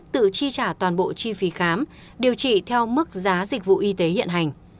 tự chi trả toàn bộ chi phí khám điều trị theo mức giá dịch vụ y tế hiện hành